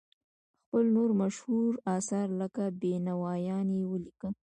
خپل نور مشهور اثار لکه بینوایان یې ولیکل.